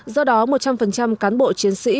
do đó một trăm linh cán bộ chiến sĩ